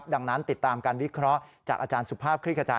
ดังนั้นติดตามการวิเคราะห์จากอาจารย์สุภาพคลิกกระจาย